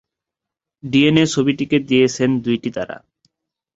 DNA ছবিটিকে দিয়েছেন দুটি তারা।